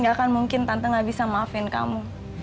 gak akan mungkin tante gak bisa maafin kamu